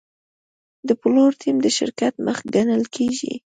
د پلور ټیم د شرکت مخ ګڼل کېږي.